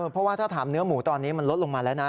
เพราะว่าถ้าถามเนื้อหมูตอนนี้มันลดลงมาแล้วนะ